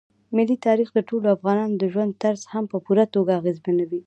ملي تاریخ د ټولو افغانانو د ژوند طرز هم په پوره توګه اغېزمنوي.